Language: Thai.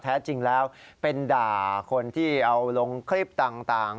แท้จริงแล้วเป็นด่าคนที่เอาลงคลิปต่าง